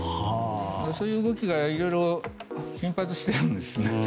そういう動きがいろいろ頻発しているんです。